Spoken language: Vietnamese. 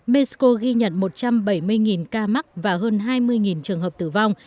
mexico ghi nhận một trăm bảy mươi ca mắc và hơn hai mươi trường hợp tử vong